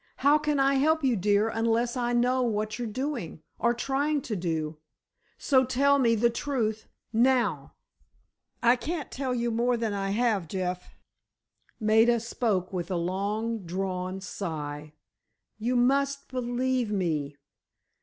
How can I help you, dear, unless I know what you're doing—or trying to do? So, tell me the truth—now." "I can't tell you more than I have, Jeff," Maida spoke with a long drawn sigh. "You must believe me.